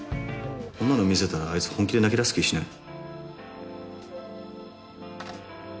こんなの見せたらあいつ本気で泣き出す気しない？